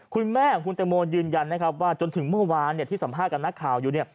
คุณแม่ของคุณแตงโมยืนยันนะครับว่าจนถึงเมื่อวานที่สัมภาษณ์กับนักข่าวอยู่